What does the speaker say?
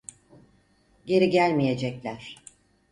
Geri gelmeyecekler.